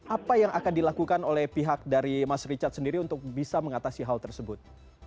apa yang akan dilakukan oleh pihak dari mas richard sendiri untuk bisa mengatasi hal tersebut